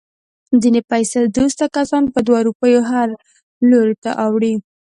ځنې پیسه دوسته کسان په دوه روپیو هر لوري ته اوړي.